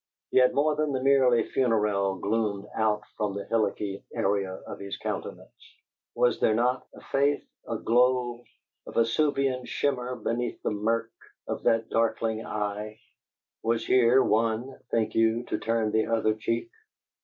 Yet more than the merely funereal gloomed out from the hillocky area of his countenance. Was there not, i'faith, a glow, a Vesuvian shimmer, beneath the murk of that darkling eye? Was here one, think you, to turn the other cheek?